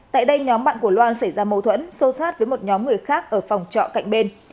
tại đây nhóm bạn của loan xảy ra mâu thuẫn xô xát với một nhóm người khác ở phòng trọ cạnh bên